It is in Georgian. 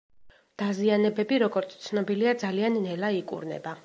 დაზიანებები, როგორც ცნობილია ძალიან ნელა იკურნება.